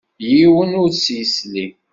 Yiwen ur s-yesli.